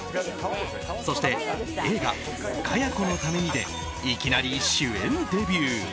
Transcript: そして映画「伽ヤ子のために」でいきなり主演デビュー。